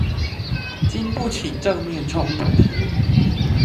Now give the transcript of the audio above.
禁不起正面衝突